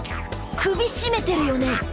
首絞めてるよね。